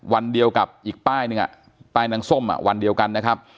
วันเดียวกับอีกป้ายหนึ่งป้ายนางส้มวันเดียวกันนะครับ